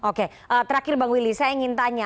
oke terakhir bang willy saya ingin tanya